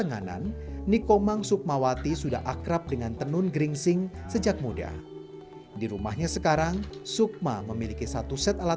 nah secara hukum nasional mereka tidak salah